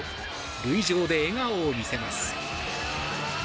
塁上で笑顔を見せます。